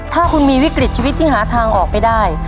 ถ้าคุณมีวิกฤตชีวิตที่หาทางออกไม่ได้